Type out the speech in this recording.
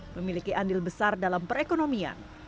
memiliki andil besar dalam perekonomian